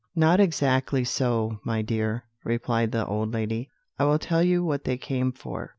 "Not exactly so, my dear," replied the old lady; "I will tell you what they came for.